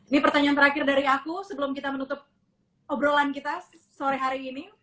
ini pertanyaan terakhir dari aku sebelum kita menutup obrolan kita sore hari ini